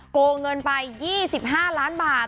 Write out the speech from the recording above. โกงเงินไป๒๕ล้านบาท